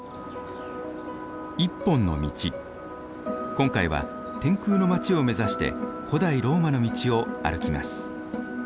今回は天空の街を目指して古代ローマの道を歩きます。